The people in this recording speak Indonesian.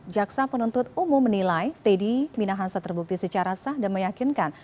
jaksa penuntut umum menilai teddy minahasa terbukti secara sah dan meyakinkan